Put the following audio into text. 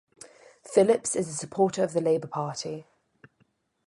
Phillips is a supporter of the Labour Party.